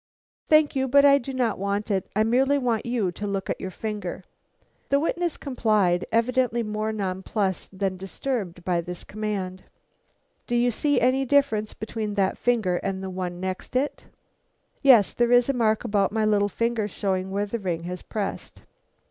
"Thank you, but I do not want it. I merely want you to look at your finger." The witness complied, evidently more nonplussed than disturbed by this command. "Do you see any difference between that finger and the one next it?" "Yes; there is a mark about my little finger showing where the ring has pressed."